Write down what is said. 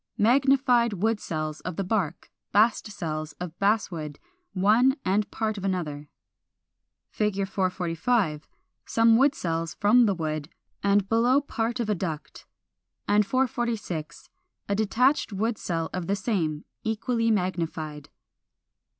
444. Magnified wood cells of the bark (bast cells) of Basswood, one and part of another. 445. Some wood cells from the wood (and below part of a duct); and 446, a detached wood cell of the same; equally magnified.